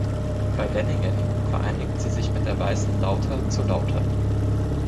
Bei Lenningen vereinigt sie sich mit der Weißen Lauter zur Lauter.